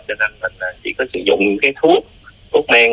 cho nên mình chỉ có sử dụng cái thuốc thuốc men